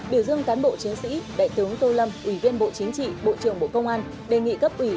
biểu dương cán bộ chiến sĩ đại tướng tô lâm ủy viên bộ chính trị bộ trưởng bộ công an đề nghị cấp ủy